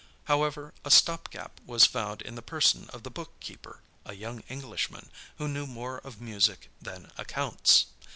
However, a stopgap was found in the person of the book keeper, a young Englishman, who knew more of music than accounts.